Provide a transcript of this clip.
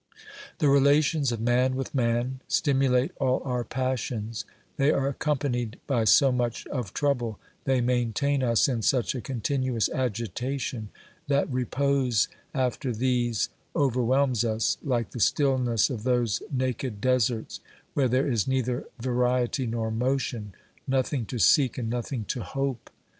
The relations of man with man stimulate all our passions ; they are accompanied by so much of trouble, they maintain us in such a continuous agitation, that repose after these overwhelms us, like the stillness of those naked deserts where there is neither variety nor motion, nothing to seek and nothing to hope.